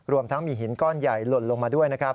รวมทั้งมีหินก้อนใหญ่หล่นลงมาด้วยนะครับ